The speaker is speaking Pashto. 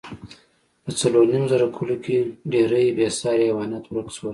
په څلورو نیم زره کلو کې ډېری بېساري حیوانات ورک شول.